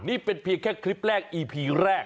นี่เป็นเพียงแค่คลิปแรกอีพีแรก